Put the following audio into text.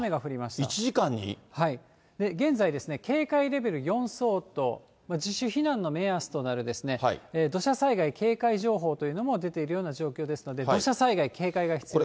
で、現在ですね、警戒レベル４相当、自主避難の目安となる土砂災害警戒情報というのも出ているような状況ですので、土砂災害、警戒が必要です。